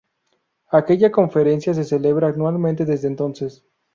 Aquella conferencia se celebra anualmente desde entonces.